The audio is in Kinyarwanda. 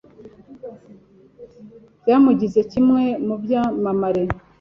byamugize kimwe mu byamamare